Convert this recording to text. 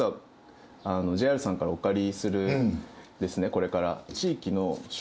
これから。